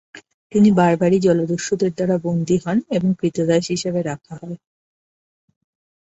তিনি বারবারি জলদস্যুদের দ্বারা বন্দী হন এবং ক্রীতদাস হিসেবে রাখা হয়।